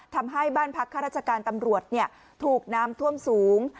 ทำให้บ้านพักข้าราชการตำรวจถูกน้ำท่วมสูง